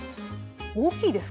大きいですか？